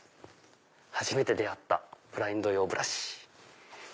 初めて出会ったブラインド用ブラシ。